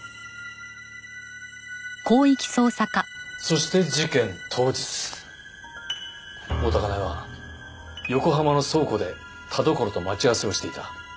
そして事件当日大多香苗は横浜の倉庫で田所と待ち合わせをしていた。